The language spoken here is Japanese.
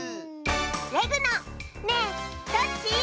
レグの「ねえどっち？」。